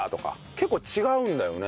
結構違うんだよね